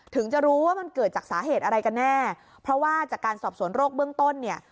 ถึงจะรู้ว่ามันเกิดจากสาเหตุอะไรกันแน่เพราะว่าจากการสอบสวนโรคเบื้องต้นเนี่ย